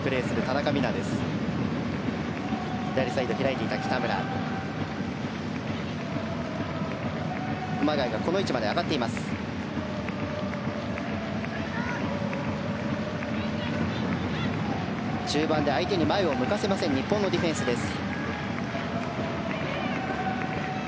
中盤で相手に前を向かせません日本のディフェンスです。